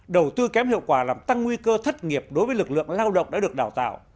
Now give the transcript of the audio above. đầu tư kém hiệu quả làm tăng nguy cơ thất nghiệp đối với lực lượng lao động đã được đào tạo